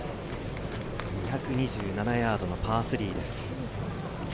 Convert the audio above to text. ２２７ヤードのパー３です。